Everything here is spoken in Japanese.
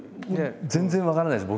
全然分からないです